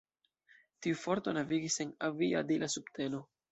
Tiu forto navigis sen aviadila subteno.